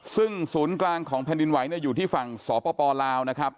ซึ่งศูนย์กลางของแผ่นดินไหวอยู่ที่ฝั่งสปลาวนะครับ